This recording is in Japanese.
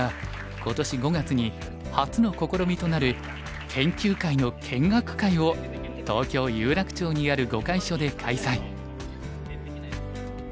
今年５月に初の試みとなる研究会の見学会を東京・有楽町にある碁会所で開催。